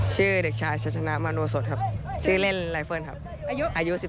ชื่อเด็กชายชัชนะมานวสดชื่อเล่นไรเฟิร์นอายุ๑๓ปี